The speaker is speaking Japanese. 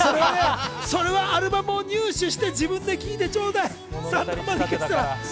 アルバム購入して自分で聴いてちょうだい。